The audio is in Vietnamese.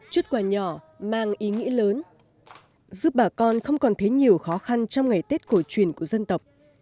xuất quả nhỏ mang ý nghĩa lớn giúp bà con không còn thấy nhiều khó khăn trong ngày tết cổ truyền của dân tộc